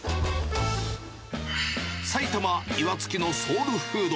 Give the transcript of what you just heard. さいたま・岩槻のソウルフード。